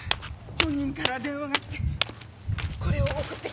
本人から電話が来てこれを送ってきたんです！